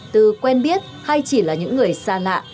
từ quen biết hay chỉ là những người xa lạ